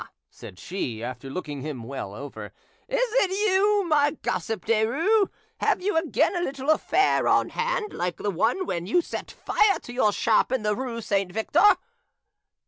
said she, after looking him well over, "is it you, my gossip Derues! Have you again a little affair on hand like the one when you set fire to your shop in the rue Saint Victor?"